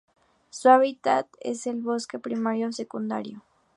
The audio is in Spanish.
Su hábitat es el bosques, primario o secundario.